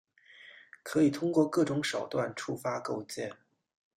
可以通过各种手段触发构建。